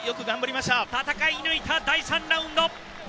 戦い抜いた第３ラウンド。